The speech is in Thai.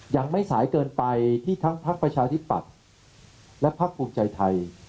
ยังไม่สายเกินไปที่ทั้งพักประชาธิปัตย์และพักภูมิใจไทย